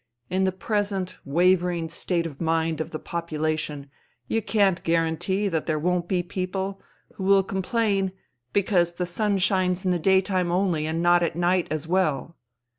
In the present wavering state of mind of the popula tion you can't guarantee that there won't be people who will complain because the sun shines in the daytime only and not at night as well."